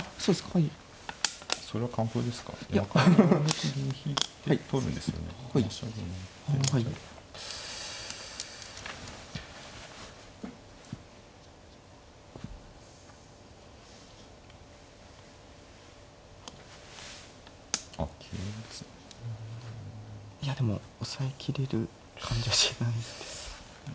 いやでも抑えきれる感じはしないです。